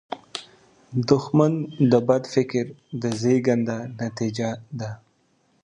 دښمن د بد فکر د زیږنده نتیجه ده